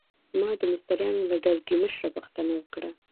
ما د مستریانو له ډلګۍ مشره پوښتنه وکړه.